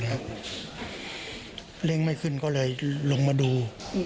ครับในภาคเร่งไม่ขึ้นก็เลยลงมาดู